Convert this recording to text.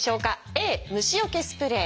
「Ａ虫よけスプレー」。